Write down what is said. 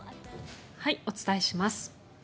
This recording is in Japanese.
お伝えします。